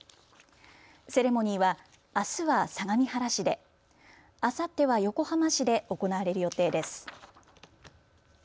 セレモニーはあすは相模原市で、あさっては横浜市で行われる予定です。